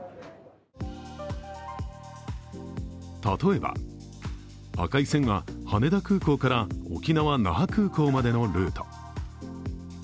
例えば、赤い線は羽田空港から沖縄・那覇空港までのルート。